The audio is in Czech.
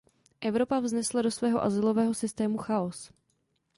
Evropa vnesla do svého azylového systému chaos.